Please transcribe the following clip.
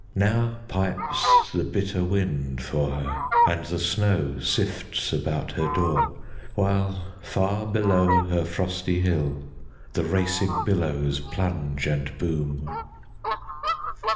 Now pipes the bitter wind for her, 5 And the snow sifts about her door, While far below her frosty hill The racing billows plunge and boom.